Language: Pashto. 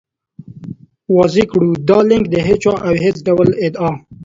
واضح کړو، دا لیکنه د هېچا او هېڅ ډول ادعا